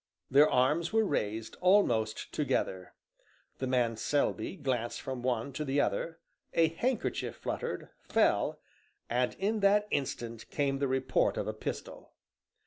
Their arms were raised almost together. The man Selby glanced from one to the other, a handkerchief fluttered, fell, and in that instant came the report of a pistol.